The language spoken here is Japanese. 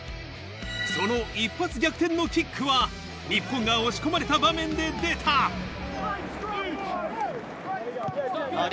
その一発逆転のキックは日本が押し込まれた場面で出たあ！